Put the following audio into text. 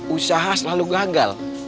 usaha selalu gagal